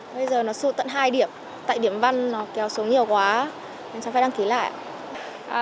bây giờ nó sụt tận hai điểm tại điểm văn nó kéo số nhiều quá cháu phải đăng ký lại ạ